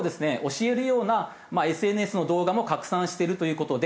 教えるようなＳＮＳの動画も拡散しているという事で。